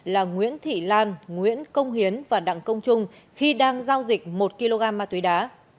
là nguyễn thị lan nguyễn công hiến và đặng công trung khi đang giao dịch một kg ma túy đá